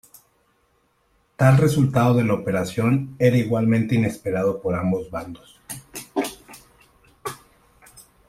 Tal resultado de la operación era igualmente inesperado por ambos bandos.